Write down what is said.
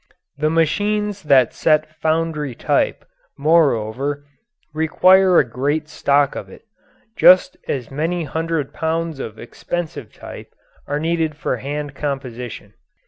The machines that set foundry type, moreover, require a great stock of it, just as many hundred pounds of expensive type are needed for hand composition.